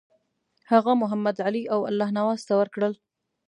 هغه محمدعلي او الله نواز ته ورکړل.